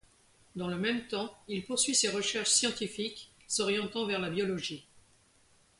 Dans le même temps, il poursuit ses recherches scientifiques, s'orientant vers la biologie.